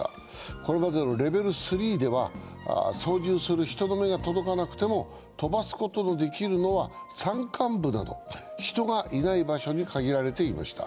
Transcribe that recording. これまでのレベル３では操縦する人の目が届かなくても飛ばすことのできるのは山間部など人がいない場所に限られていました。